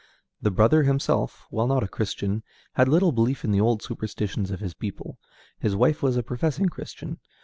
The brother himself, while not a Christian, had little belief in the old superstitions of his people; his wife was a professing Christian.